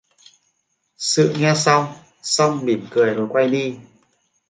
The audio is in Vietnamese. Sự nghe xong, xong mỉm cười rồi quay đi